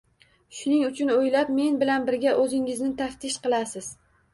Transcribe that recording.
Shuning uchun o‘ylab, men bilan birga o‘zingizni taftish qilasiz.